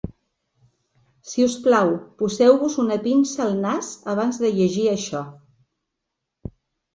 Si us plau, poseu-vos una pinça al nas abans de llegir això.